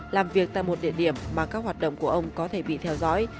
làm việc tại một địa điểm mà các hoạt động của ông có thể bị theo dõi